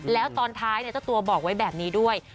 แล้วตอนท้ายเจ้าตัวบอกไว้แบบนี้ด้วย